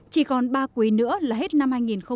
chỉ còn ba quý nữa là hết năm hai nghìn hai mươi